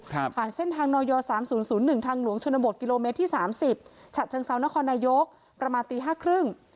ผ่านเส้นทางนอยสามศูนย์ศูนย์หนึ่งทางหลวงชนบทกิโลเมตรที่สามสิบฉะเชิงเซานครนายกประมาณตีห้าครึ่ง